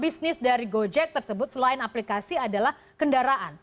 bisnis dari gojek tersebut selain aplikasi adalah kendaraan